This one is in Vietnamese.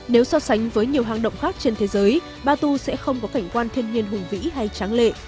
nếu so sánh với nhiều hang động khác trên thế giới batu sẽ không có cảnh quan thiên nhiên hùng vĩ hay tráng lệ